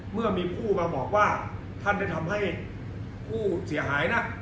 เมื่อมีผู้มาบอกว่าท่านได้ทำให้ผู้เสียหายนะ